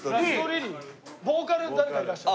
ボーカル誰かいらっしゃる？